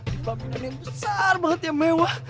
di pabinan yang besar banget ya mewah